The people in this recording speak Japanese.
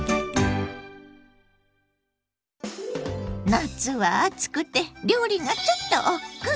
夏は暑くて料理がちょっとおっくう。